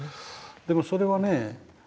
でもそれはね